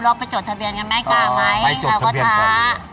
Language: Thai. ไปจดทะเบียนกันไม่กล้าไหมเราก็ท้า